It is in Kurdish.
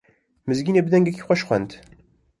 Mizgînê bi dengekî xweş xwend.